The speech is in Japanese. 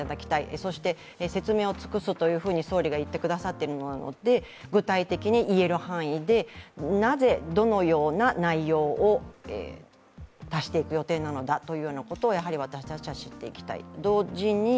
そして、説明を尽くすというふうに総理が言ってくださっているので具体的に言える範囲で、なぜ、どのような内容を足していく予定なのだということをやはり私たちは知っていきたい。